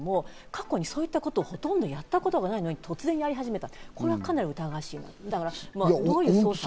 過去にそういったことをほとんどやったことがないのに突然やり始めた、これはかなり疑わしい。